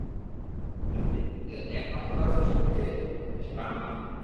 যদি এখানে একমাত্র কারো দোষ থেকে থাকে, সেটা আমার।